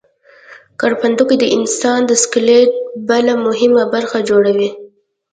کرپندوکي د انسان د سکلیټ بله مهمه برخه جوړوي.